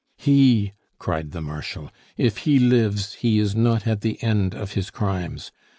"He!" cried the Marshal. "If he lives, he is not at the end of his crimes.